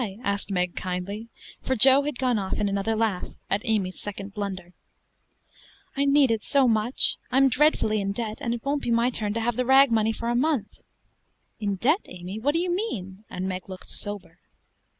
asked Meg, kindly, for Jo had gone off in another laugh at Amy's second blunder. "I need it so much: I'm dreadfully in debt, and it won't be my turn to have the rag money for a month." "In debt, Amy: what do you mean?" and Meg looked sober.